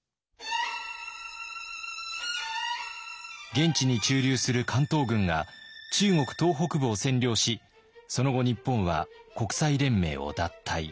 現地に駐留する関東軍が中国東北部を占領しその後日本は国際連盟を脱退。